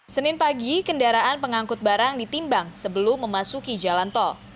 senin pagi kendaraan pengangkut barang ditimbang sebelum memasuki jalan tol